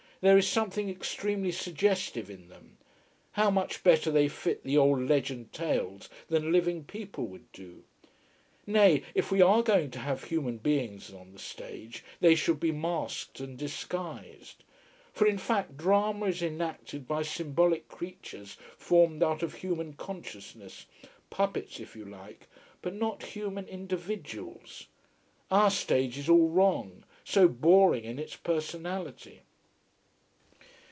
There is something extremely suggestive in them. How much better they fit the old legend tales than living people would do. Nay, if we are going to have human beings on the stage, they should be masked and disguised. For in fact drama is enacted by symbolic creatures formed out of human consciousness: puppets if you like: but not human individuals. Our stage is all wrong, so boring in its personality.